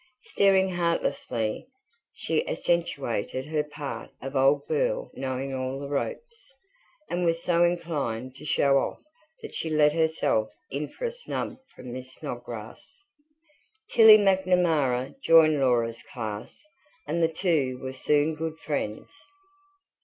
Staring heartlessly, she accentuated her part of old girl knowing all the ropes, and was so inclined to show off that she let herself in for a snub from Miss Snodgrass. Tilly Macnamara joined Laura's class, and the two were soon good friends.